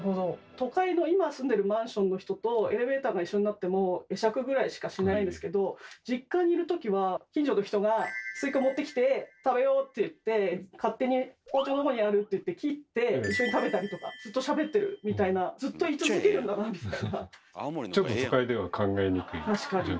都会の今住んでるマンションの人とエレベーターが一緒になっても会釈ぐらいしかしないですけど実家にいるときは近所の人がスイカ持ってきて「食べよう」って言って勝手に「包丁どこにある？」って言って切って一緒に食べたりとかずっとしゃべってるみたいなずっと居続けるんだなみたいな。